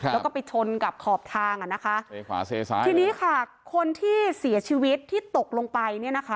แล้วก็ไปชนกับขอบทางทีนี้ค่ะคนที่เสียชีวิตที่ตกลงไป